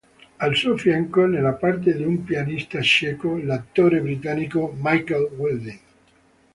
Al suo fianco, nella parte di un pianista cieco, l'attore britannico Michael Wilding.